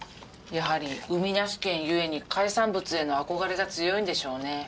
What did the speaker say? やはり海なし県ゆえに海産物への憧れが強いんでしょうね。